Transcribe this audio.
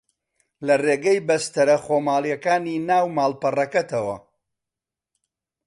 لە ڕێگەی بەستەرە خۆماڵییەکانی ناو ماڵپەڕەکەتەوە